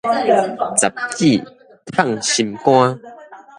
十指迵心肝